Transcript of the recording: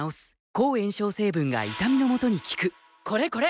抗炎症成分が痛みのもとに効くこれこれ！